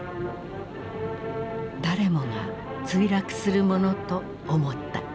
誰もが墜落するものと思った。